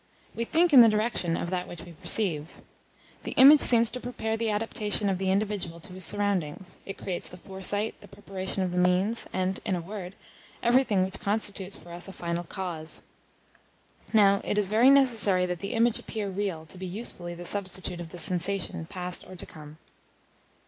We think in the direction of that which we perceive. The image seems to prepare the adaptation of the individual to his surroundings; it creates the foresight, the preparation of the means, and, in a word, everything which constitutes for us a final cause. Now, it is very necessary that the image appear real to be usefully the substitute of the sensation past or to come.